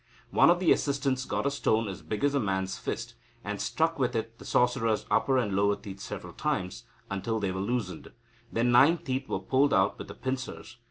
One of the assistants got a stone as big as a man's fist, and with it struck the sorcerer's upper and lower teeth several times until they were loosened. Then nine teeth were pulled out with the pincers.